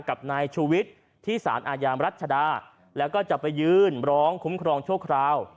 กับนายชูวิทย์ที่สารอาญามรัชดาแล้วก็จะไปยืนร้องคุ้มครองชั่วคราว